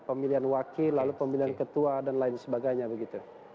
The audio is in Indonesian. pemilihan wakil lalu pemilihan ketua dan lain sebagainya begitu